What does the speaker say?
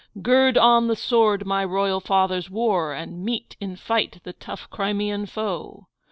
gird on the sword my royal fathers wore, and meet in fight the tough Crimean foe?